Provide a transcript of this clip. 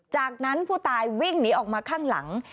จากนั้นผู้ตายวิ่งหนีออกมาข้างหลัง